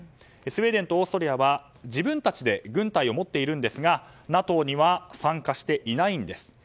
スウェーデンとオーストリアは自分たちで軍隊を持っているんですがＮＡＴＯには参加していないんです。